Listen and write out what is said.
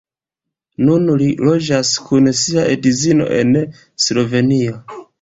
Nun li loĝas kun sia edzino en Slovenio.